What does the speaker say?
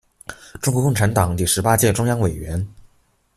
中国共产党第十八届中央委员。